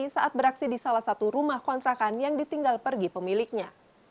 saat beraksi di salah satu rumah kontrakan yang ditinggal pergi pemiliknya